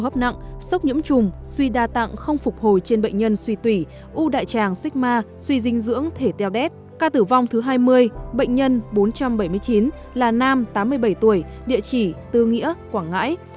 ca tử vong thứ hai mươi bệnh nhân bốn trăm bảy mươi chín là nam tám mươi bảy tuổi địa chỉ tư nghĩa quảng ngãi